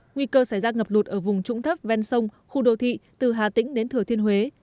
nguy cơ xảy ra ngập lụt ở vùng trũng thấp ven sông khu đô thị từ hà tĩnh đến thừa thiên huế